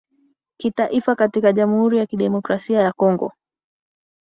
kitaifa katika Jamhuri ya Kidemokrasia ya Kongo